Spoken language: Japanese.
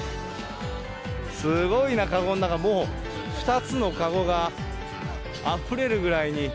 すごいな、籠の中、もう２つのかごがあふれるぐらいに。